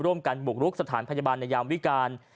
ร่วมกันบุกรุกสถานพยาบาลในยามวิการ